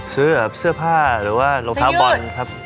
ซื้อกับเสื้อผ้าหรือว่ารองเท้าบอลครับ